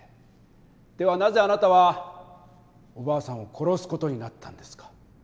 ではなぜあなたはおばあさんを殺す事になったんですか？